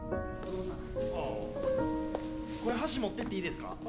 これ箸持ってっていいですか？